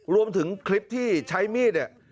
รวมถึงคลิปที่ใช้มีด